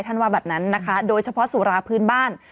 ว่าแบบนั้นนะคะโดยเฉพาะสุราพื้นบ้าน